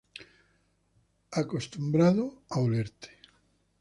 Acostumbrado a olerte